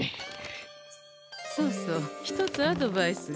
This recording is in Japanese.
そうそう一つアドバイスが。